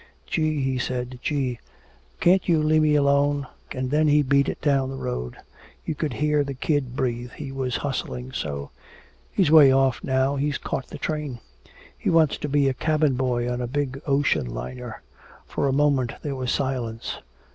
'Gee!' he said, 'Gee! Can't you lemme alone?' And then he beat it down the road! You could hear the kid breathe, he was hustling so! He's way off now, he's caught the train! He wants to be a cabin boy on a big ocean liner!" For a moment there was silence.